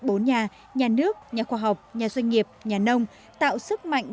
bốn nhà nhà nước nhà khoa học nhà doanh nghiệp nhà nông tạo sức mạnh